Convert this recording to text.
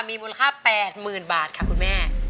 มีมูลค่า๘๐๐๐บาทค่ะคุณแม่